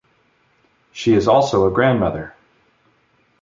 She is also a grandmother.